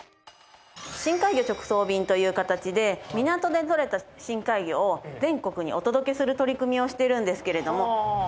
深海魚直送便という形で港でとれた深海魚を全国にお届けする取り組みをしているんですけれども。